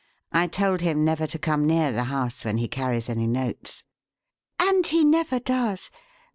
I told him never to come near the house when he carries any notes." "And he never does.